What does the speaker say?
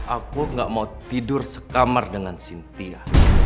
aku gak mau tidur sekamar dengan cynthia